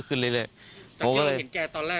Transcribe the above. แต่เคยเห็นแกตอนแรกลักษณะนี่อย่างไร